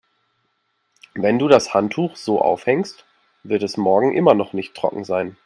Wenn du das Handtuch so aufhängst, wird es morgen immer noch nicht trocken sein.